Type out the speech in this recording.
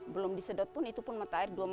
belum disedot pun itu pun mata air